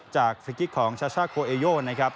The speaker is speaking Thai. จากฟิกิ๊กของชาช่าโคเอโยนะครับ